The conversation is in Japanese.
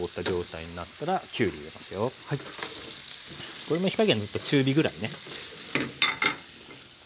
これも火加減ずっと中火ぐらいね。